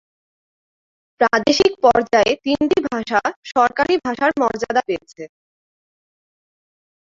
প্রাদেশিক পর্যায়ে তিনটি ভাষা সরকারী ভাষার মর্যাদা পেয়েছে।